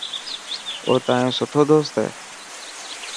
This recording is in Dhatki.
او تايون سٺو دوست هي.